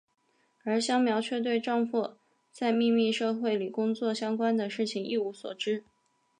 而香苗却对丈夫在秘密社会里工作相关的事情一无所知。